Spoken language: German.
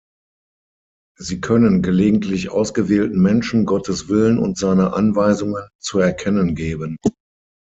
Sie können gelegentlich ausgewählten Menschen Gottes Willen und seine Anweisungen zu erkennen geben.